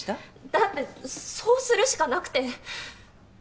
だってそうするしかなくて。